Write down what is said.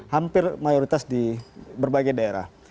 hampir mayoritas di berbagai daerah